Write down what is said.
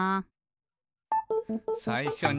「さいしょに」